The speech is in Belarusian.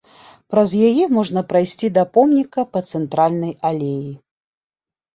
Праз яе можна прайсці да помніка па цэнтральнай алеі.